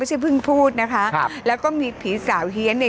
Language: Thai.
เพิ่งพูดนะคะครับแล้วก็มีผีสาวเฮียนเนี่ย